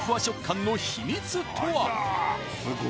食感の秘密とは。